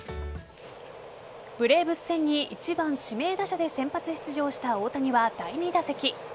ブレーブス戦に１番・指名打者で先発出場した大谷は第２打席。